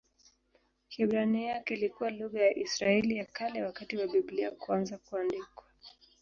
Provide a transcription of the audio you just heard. Kiebrania kilikuwa lugha ya Israeli ya Kale wakati wa Biblia kuanza kuandikwa.